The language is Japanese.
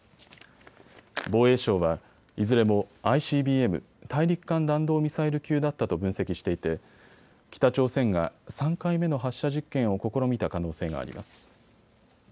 防衛省はいずれもＩＣＢＭ・大陸間弾道ミサイル級だったと分析していて北朝鮮が３回目の発射実験を試みた可能性があります。